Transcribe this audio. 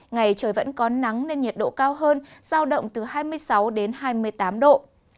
ngày trời vẫn có nắng nên nhiệt độ cao hơn giao động từ hai mươi sáu đến hai mươi tám độ